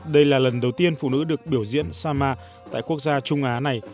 đây là lần đầu tiên phụ nữ được biểu diễn sama tại quốc gia trung á này